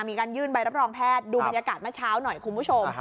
มีการยื่นใบรับรองแพทย์ดูบรรยากาศเมื่อเช้าหน่อยคุณผู้ชม